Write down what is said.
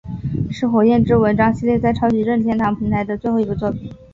是火焰之纹章系列在超级任天堂平台上的最后一部作品。